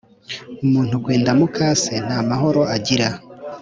umuntu kwenda mu ka se ntamahoro agira.